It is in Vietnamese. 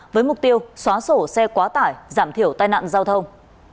với mục tiêu xóa sổ xe quá tải giảm thiểu tai nạn giao thông